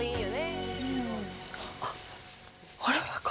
あっ、あれ。